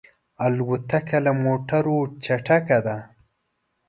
الوتکه له موټرو چټکه ده.